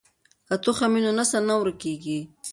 که تخم وي نو نسل نه ورکېږي.